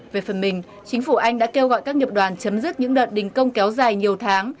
về phần mình chính phủ anh đã kêu gọi các nghiệp đoàn chấm dứt những đợt đình công kéo dài nhiều tháng